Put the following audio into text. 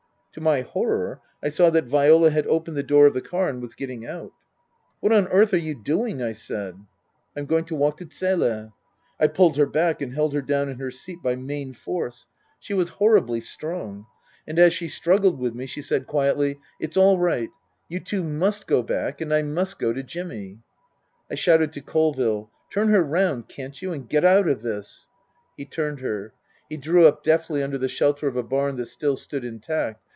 To my horror I saw that Viola had opened the door of the car and was getting out. " What on earth are you doing ?" I said. " I'm going to walk to Zele." I pulled her back and held her down in her seat by main force. She was horribly strong. And as she struggled Book III : His Book 309 with me she said quietly, " It's all right. You two must go back and I must go to Jimmy." I shouted to Colville, " Turn her round, can't you, and get out of this." He turned her. He drew up deftly under the shelter of a barn that still stood intact.